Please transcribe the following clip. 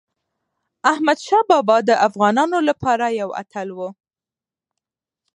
احمدشاه بابا د افغانانو لپاره یو اتل و.